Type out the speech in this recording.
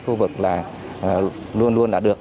khu vực là luôn luôn là được